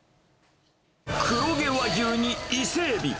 黒毛和牛に伊勢エビ。